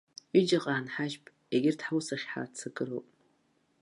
Ҩыџьаҟа аанҳажьып, егьырҭ ҳус ахь ҳаццакыроуп.